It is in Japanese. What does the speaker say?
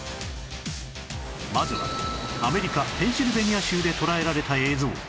まずはアメリカペンシルベニア州で捉えられた映像